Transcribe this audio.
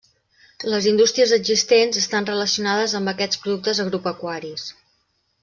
Les indústries existents estan relacionades amb aquests productes agropecuaris.